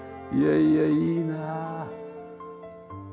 いやいやいいな。